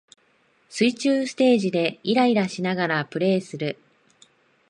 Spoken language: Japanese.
水中ステージでイライラしながらプレイする